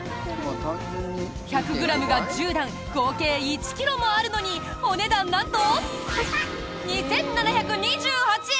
１００ｇが１０段合計１ｋｇもあるのにお値段、なんと２７２８円！